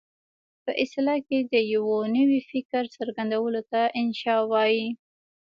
په اصطلاح کې د یوه نوي فکر څرګندولو ته انشأ وايي.